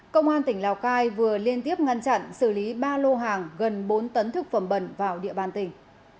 công an tỉnh lào cai vừa liên tiếp ngăn chặn xử lý ba lô hàng gần bốn tấn thực phẩm bẩn vào địa bàn tỉnh